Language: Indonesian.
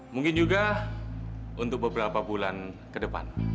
mungkin juga untuk beberapa bulan ke depan